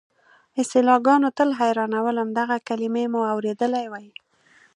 اصطلاحګانو تل حیرانولم، دغه کلیمې مو اورېدلې وې.